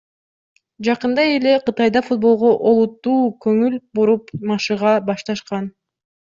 Жакында эле Кытайда футболго олуттуу көңүл буруп машыга башташкан.